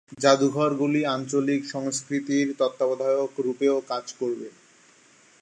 জাদুঘরগুলি আঞ্চলিক সংস্কৃতির তত্ত্বাবধায়ক রূপেও কাজ করবে।